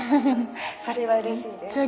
それはうれしいです。